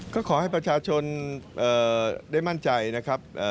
ก็ขอให้ประชาชนได้มั่นใจนะครับ